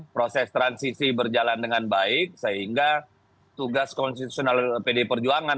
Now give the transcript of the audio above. proses transisi berjalan dengan baik sehingga tugas konstitusional pdi perjuangan